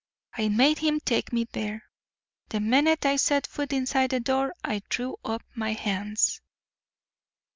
I made him take me there. The minute I set foot inside the door I threw up my hands.